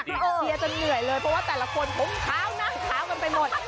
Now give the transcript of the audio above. คือเคลียร์จนเหนื่อยเลยเพราะว่าแต่ละคนผมขาวหน้าขาวกันไปหมด